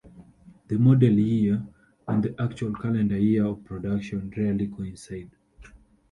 The model year and the actual calendar year of production rarely coincide.